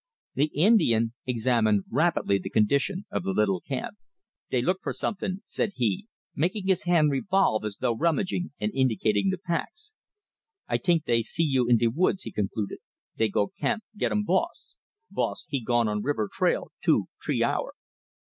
The Indian examined rapidly the condition of the little camp. "Dey look for somethin'," said he, making his hand revolve as though rummaging, and indicating the packs. "I t'ink dey see you in de woods," he concluded. "Dey go camp gettum boss. Boss he gone on river trail two t'ree hour."